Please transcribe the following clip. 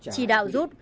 chỉ đạo rút